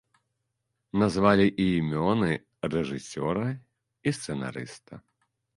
Назвалі і імёны рэжысёра і сцэнарыста.